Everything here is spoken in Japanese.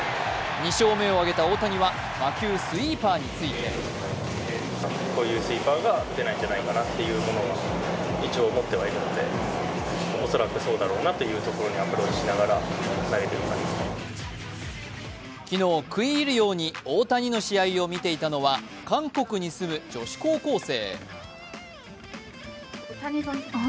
２勝目を挙げた大谷は魔球・スイーパーについて昨日、食い入るように大谷の試合を見ていたのは韓国に住む女子高校生。